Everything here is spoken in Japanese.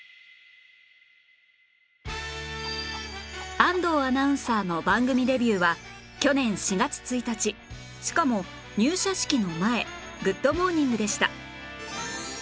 安藤アナウンサーの番組デビューは去年４月１日しかも入社式の前『グッド！モーニング』でした